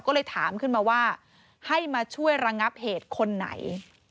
ก็เลยถามขึ้นมาว่าให้มาช่วยระงับเหตุคนไหน